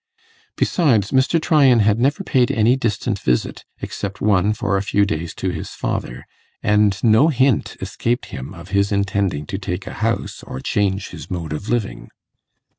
Besides, Mr. Tryan had never paid any distant visit, except one for a few days to his father, and no hint escaped him of his intending to take a house, or change his mode of living.